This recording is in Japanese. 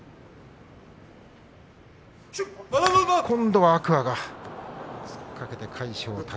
今度は天空海が突っかけました。